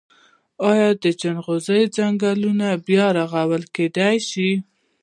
آیا د جلغوزیو ځنګلونه بیا رغول کیدی شي؟